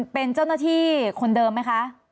เป็นเจ้าหน้าที่คนเดิมไหมคะ